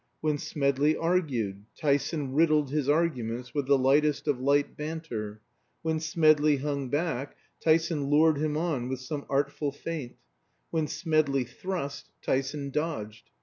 When Smedley argued, Tyson riddled his arguments with the lightest of light banter; when Smedley hung back, Tyson lured him on with some artful feint; when Smedley thrust, Tyson dodged.